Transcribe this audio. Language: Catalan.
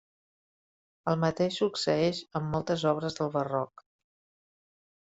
El mateix succeeix amb moltes obres del Barroc.